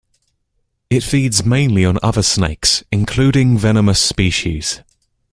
It feeds mainly on other snakes, including venomous species.